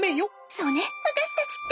そうね私たちって。